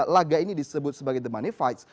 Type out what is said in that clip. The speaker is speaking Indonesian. laga ini disebut sebagai the money fight